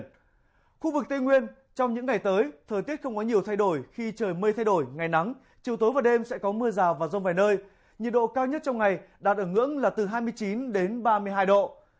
khu vực tây nguyên trong những ngày tới thời tiết không có nhiều thay đổi khi trời mây thay đổi ngày nắng chiều tối và đêm sẽ có mưa rào và rông vài nơi nhiệt độ cao nhất trong ngày đạt ở ngưỡng là từ hai mươi chín đến ba mươi hai độ